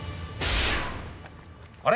あれ？